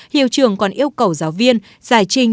hiệu trường còn yêu cầu giáo viên giải trình